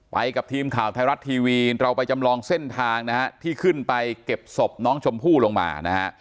กับทีมข่าวไทยรัฐทีวีเราไปจำลองเส้นทางนะฮะที่ขึ้นไปเก็บศพน้องชมพู่ลงมานะฮะ